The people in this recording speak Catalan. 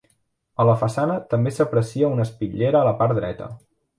A la façana també s'aprecia una espitllera a la part dreta.